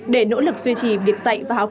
để nỗ lực duy trì việc dạy và học